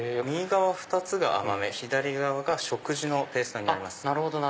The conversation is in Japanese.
右側２つが甘め左側が食事のペーストになります。